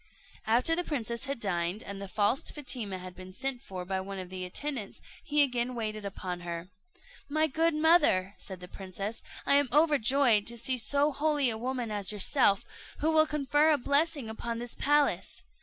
After the princess had dined, and the false Fatima had been sent for by one of the attendants, he again waited upon her. "My good mother," said the princess, "I am overjoyed to see so holy a woman as yourself, who will confer a blessing upon this palace.